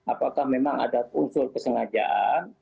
apakah memang ada unsur kesengajaan